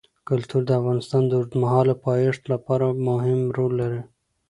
کلتور د افغانستان د اوږدمهاله پایښت لپاره مهم رول لري.